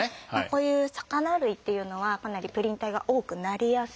こういう魚類というのはかなりプリン体が多くなりやすいので。